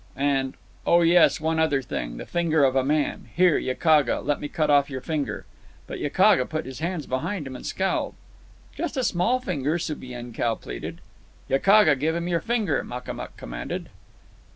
"And—oh, yes, one other thing—the finger of a man. Here, Yakaga, let me cut off your finger." But Yakaga put his hands behind him and scowled. "Just a small finger," Subienkow pleaded. "Yakaga, give him your finger," Makamuk commanded.